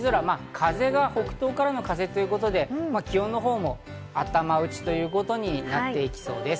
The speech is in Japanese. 風が北東からの風ということで、気温のほうも頭打ちということになっていきそうです。